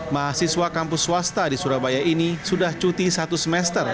mahasiswa kampus swasta di surabaya ini sudah cuti satu semester